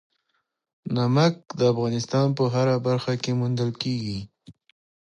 نمک د افغانستان په هره برخه کې موندل کېږي.